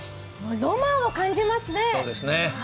ロマンを感じますね。